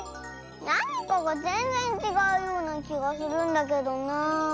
なにかがぜんぜんちがうようなきがするんだけどなあ。